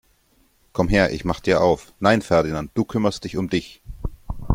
Komm her, ich mach dir auf! Nein Ferdinand, du kümmerst dich um dich!